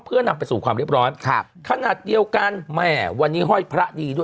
เพื่อนำไปสู่ความเรียบร้อยครับขนาดเดียวกันแม่วันนี้ห้อยพระดีด้วย